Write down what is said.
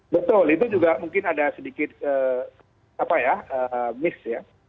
betul itu juga mungkin ada sedikit miss ya